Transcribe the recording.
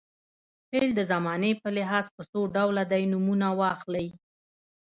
فعل د زمانې په لحاظ په څو ډوله دی نومونه واخلئ.